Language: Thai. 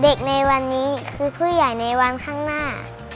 ในวันนี้คือผู้ใหญ่ในวันข้างหน้า